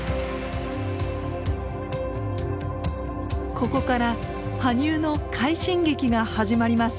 ここから羽生の快進撃が始まります。